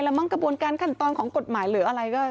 มั้งกระบวนการขั้นตอนของกฎหมายหรืออะไรก็